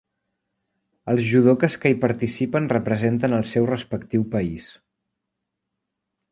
Els judokes que hi participen representen el seu respectiu país.